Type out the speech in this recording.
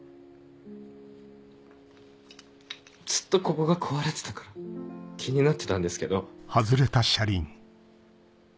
ずっとここが壊れてたから気になってたんですけど。